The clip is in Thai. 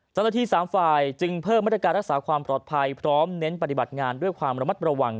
เจ้าหน้าที่๓ฝ่ายจึงเพิ่มมาตรการรักษาความปลอดภัยพร้อมเน้นปฏิบัติงานด้วยความระมัดระวัง